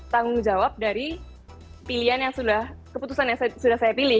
tanggung jawab dari keputusan yang sudah saya pilih